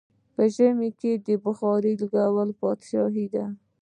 په ژمی کې بخارا لرل پادشاهي ده.